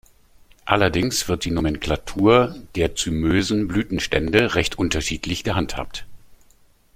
Allerdings wird die Nomenklatur der zymösen Blütenstände recht unterschiedlich gehandhabt.